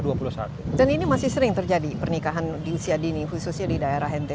dan ini masih sering terjadi pernikahan di usia dini khususnya di daerah ntb